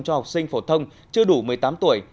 cho học sinh phổ thông chưa đủ một mươi tám tuổi